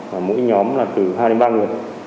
và mỗi nhóm là từ hai đến ba người